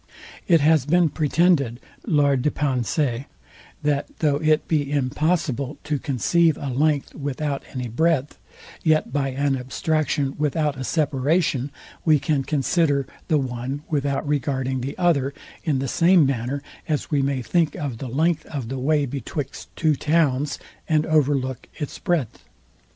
It has been pretended, that though it be impossible to conceive a length without any breadth, yet by an abstraction without a separation, we can consider the one without regarding the other; in the same manner as we may think of the length of the way betwixt two towns, and overlook its breadth.